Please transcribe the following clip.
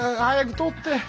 早く取って！